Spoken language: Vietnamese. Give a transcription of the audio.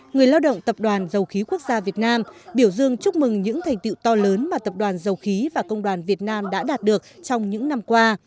người lao động tập đoàn dầu khí quốc gia việt nam biểu dương chúc mừng những thành tiệu to lớn mà tập đoàn dầu khí và công đoàn việt nam đã đạt được trong những năm qua